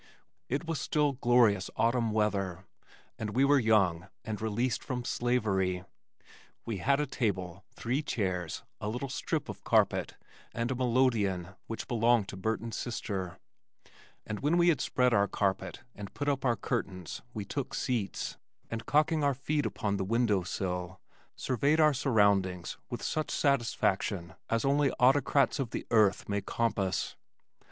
It was still glorious autumn weather, and we were young and released from slavery. We had a table, three chairs, a little strip of carpet, and a melodeon, which belonged to Burton's sister, and when we had spread our carpet and put up our curtains we took seats, and cocking our feet upon the window sill surveyed our surroundings with such satisfaction as only autocrats of the earth may compass.